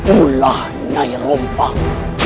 ulah nyai rombang